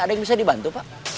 ada yang bisa dibantu pak